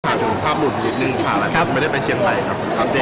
ถามถึงภาพบุตรนิดนึงถามแล้วไม่ได้ไปเชียงใหม่ครับ